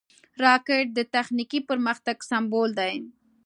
راکټ د تخنیکي پرمختګ سمبول دی